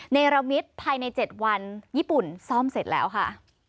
เนรมิตภายใน๗วันญี่ปุ่นซ่อมเสร็จแล้วค่ะ